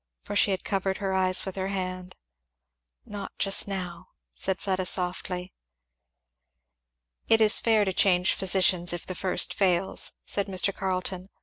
for she had covered her eyes with her hand. "Not just now," said Fleda softly. "It is fair to change physicians if the first fails," said Mr. Carleton.